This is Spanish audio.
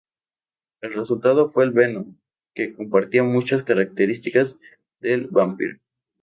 El resultado fue el Venom, que compartía muchas características del Vampire.